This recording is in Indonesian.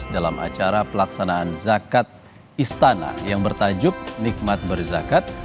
dalam acara pelaksanaan zakat istana yang bertajuk nikmat berzakat